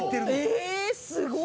えすごい！